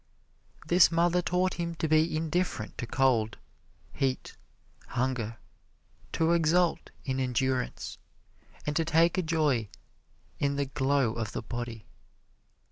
This mother taught him to be indifferent to cold, heat, hunger, to exult in endurance, and to take a joy in the glow of the body.